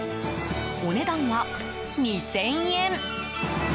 お値段は２０００円。